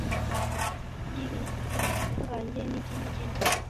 by'ibihangange n'ibyintege nke